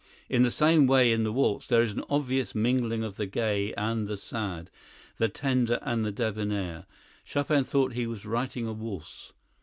In the same way in the waltz, there is an obvious mingling of the gay and the sad, the tender and the debonair. Chopin thought he was writing a waltz.